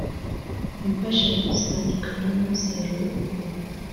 imfashanyo zitandukanye n umusaruro uva